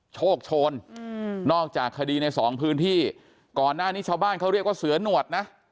โชคโชนนอกจากคดีในสองพื้นที่ก่อนหน้านี้ชาวบ้านเขาเรียกว่าเสือหนวดนะ